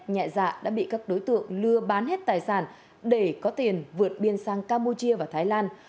nhẹ dạ đã bị các đối tượng lừa bán hết tài sản để có tiền vượt biên sang campuchia và thái lan